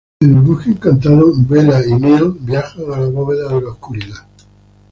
En el Bosque Encantado, Bella y Neal viaje a la bóveda de la Oscuridad.